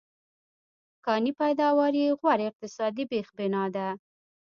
کانې پیداوار یې غوره اقتصادي بېخبنا ده.